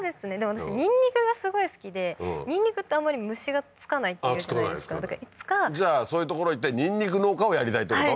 私ニンニクがすごい好きでニンニクってあんまり虫がつかないっていうじゃないですかだからいつかじゃあそういう所行ってニンニク農家をやりたいってこと？